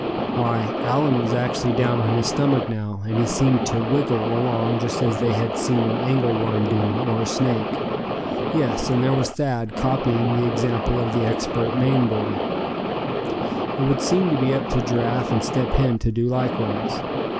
Why, Allan was actually down on his stomach now, and he seemed to "wiggle" along just as they had seen an angle worm do, or a snake. Yes, and there was Thad copying the example of the expert Maine boy. It would seem to be up to Giraffe and Step Hen to do likewise.